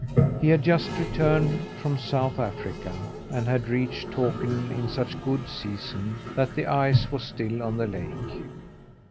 He had just returned from South Africa, and had reached Takern in such good season that the ice was still on the lake.